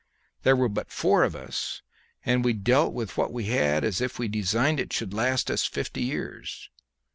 There were but four of us, and we dealt with what we had as if we designed it should last us fifty years.